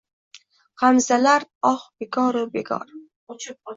G’amzalar… oh bekor-ku, bekor…